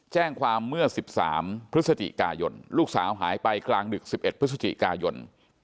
แจ้งความเมื่อ๑๓พฤศจิกายนลูกสาวหายไปกลางดึก๑๑พฤศจิกายน